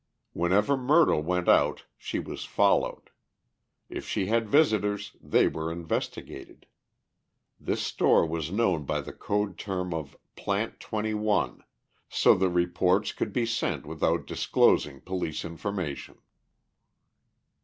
Whenever Myrtle went out she was followed. If she had visitors, they were investigated. This store was known by the code term of "Plant 21," so that reports could be sent without disclosing police information.